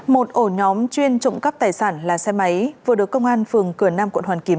một ổ nhóm chuyên trộm cắp tài sản là xe máy vừa được công an phường cửa nam quận hoàn kiếm